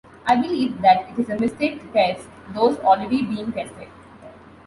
I believe that it is a mistake to test those already being tested.